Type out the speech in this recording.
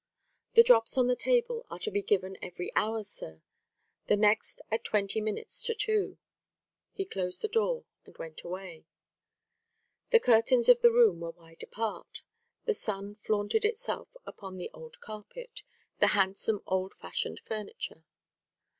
"The drops on the table are to be given every hour, sir; the next at twenty minutes to two." He closed the door and went away. The curtains of the room were wide apart. The sun flaunted itself upon the old carpet, the handsome old fashioned furniture.